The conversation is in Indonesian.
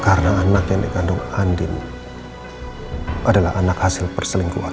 karena anak yang digandung andi adalah anak hasil perselingkuhan